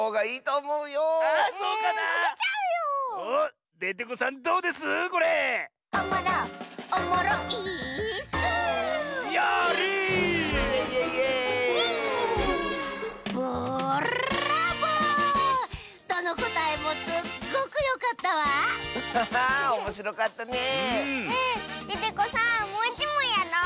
もういちもんやろう！